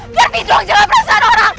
biar pijung jangan perasaan orang